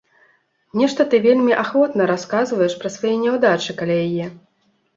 Нешта ты вельмі ахвотна расказваеш пра свае няўдачы каля яе.